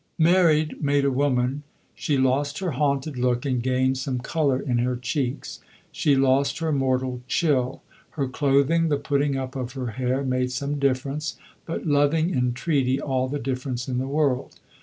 Married, made a woman, she lost her haunted look and gained some colour in her cheeks. She lost her mortal chill. Her clothing, the putting up of her hair made some difference, but loving entreaty all the difference in the world.